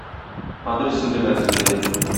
Адресым редакциядә.